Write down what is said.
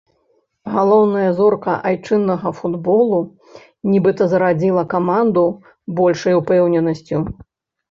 Галоўная зорка айчыннага футболу, нібыта зарадзіла каманду большай упэўненасцю.